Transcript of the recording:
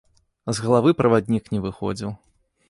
З галавы праваднік не выходзіў.